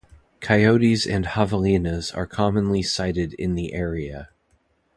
Coyotes and Javalinas are commonly sighted in the area.